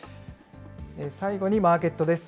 最後にマーケットです。